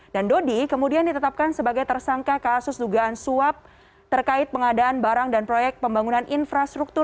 dan dodi kemudian ditetapkan sebagai tersangka kasus dugaan suap terkait pengadaan barang dan proyek pembangunan infrastruktur